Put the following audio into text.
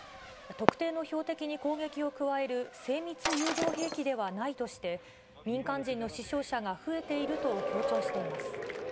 特定の標的に攻撃を加える精密誘導兵器ではないとして、民間人の死傷者が増えていると強調しています。